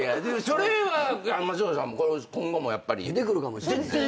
それは松岡さんも今後もやっぱり出てくるかもしれないから。